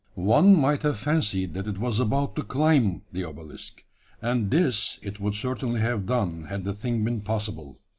One might have fancied that it was about to climb the obelisk; and this it would certainly have done had the thing been possible.